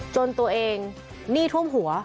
จนตัวเองหนี้ท่วมหัว